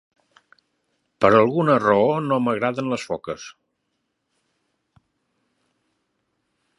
Per alguna raó no m'agraden les foques.